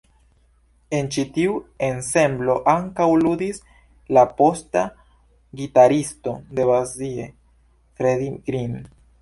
En ĉi tiu ensemblo ankaŭ ludis la posta gitaristo de Basie, Freddie Green.